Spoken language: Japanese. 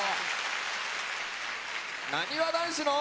「なにわ男子の」。